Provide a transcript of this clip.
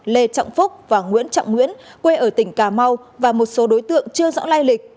lê trọng phúc và nguyễn trọng nguyễn quê ở tỉnh cà mau và một số đối tượng chưa rõ lai lịch